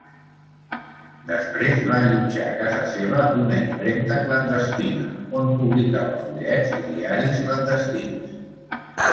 Després va allotjar a casa seva una impremta clandestina, on publicava fullets i diaris clandestins.